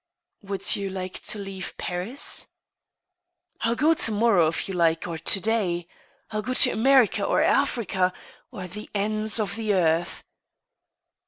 " Would you like to leave Paris ?" "I'll go to morrow, if you like, or to day. Til go to America or Africa, or the ends of the earth."